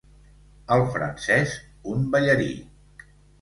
El francès, un ballarí.